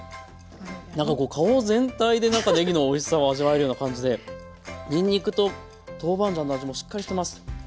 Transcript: なんかこう顔全体でなんかねぎのおいしさを味わえるような感じでにんにくと豆板醤の味もしっかりしてます。